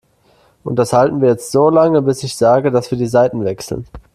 Und das halten wir jetzt so lange, bis ich sage, dass wir die Seiten wechseln.